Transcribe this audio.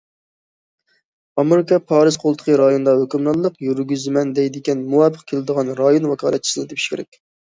ئامېرىكا پارس قولتۇقى رايونىدا ھۆكۈمرانلىق يۈرگۈزىمەن دەيدىكەن، مۇۋاپىق كېلىدىغان رايون ۋاكالەتچىسىنى تېپىشى كېرەك.